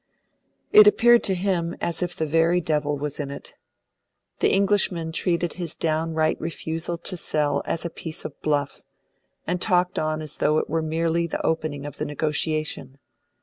It appeared to him as if the very devil was in it. The Englishmen treated his downright refusal to sell as a piece of bluff, and talked on as though it were merely the opening of the negotiation.